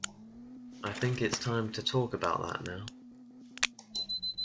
I think it's time to talk about that now.